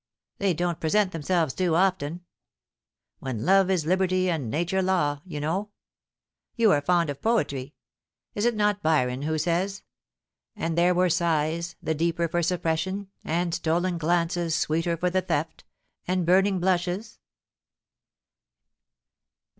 They don't present themselves too often. " When Love is liberty^ and Nature law^^ you know. You are fond of poetry. Is it not Byron who says : THE UPS THAT WERE NEAREST. 213 An4 there were sighs, the deeper for suppression ; And stolen glances, sweeter for the theft ; And burning blushes